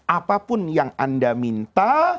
apapun yang anda minta